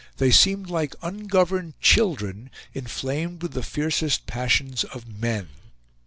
They seemed like ungoverned children inflamed with the fiercest passions of men.